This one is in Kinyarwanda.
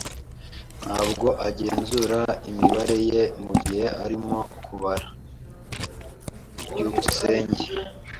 Ntabwo agenzura imibare ye mugihe arimo kubara. byukusenge